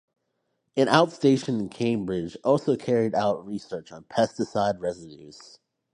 An outstation in Cambridge also carried out research on pesticide residues.